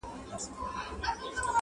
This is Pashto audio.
خون د کومي پېغلي دي په غاړه سو آسمانه.!